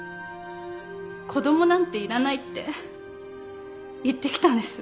子供なんていらないって言ってきたんです。